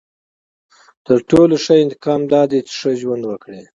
• تر ټولو ښه انتقام دا دی چې ښه ژوند وکړې.